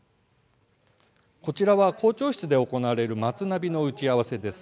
こちらは校長室で行われる「まつナビ」の打ち合わせです。